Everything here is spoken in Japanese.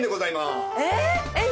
えっ！